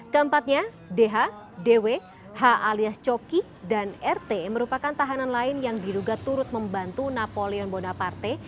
keempatnya dh dw h alias coki dan rt merupakan tahanan lain yang diduga turut membantu napoleon bonaparte